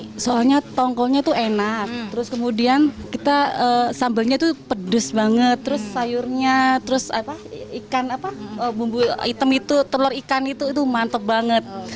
karena tombolnya tuh enak terus kemudian sambelnya tuh pedes banget terus sayurnya terus ikan apa bumbu hitam itu telur ikan itu mantep banget